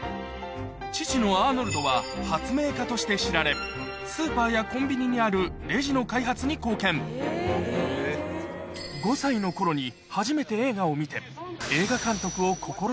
父のアーノルドは発明家として知られスーパーやコンビニにあるレジの開発に貢献を見て映画